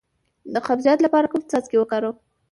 د قبضیت لپاره کوم څاڅکي وکاروم؟